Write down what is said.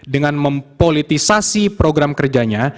dengan mempolitisasi program kerjanya